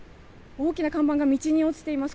大きな看板が道に落ちています。